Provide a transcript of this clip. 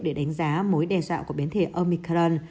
để đánh giá mối đe dọa của biến thể omicron